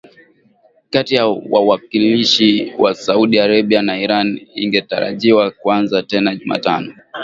kati ya wawakilishi wa Saudi Arabia na Iran ingetarajiwa kuanza tena Jumatano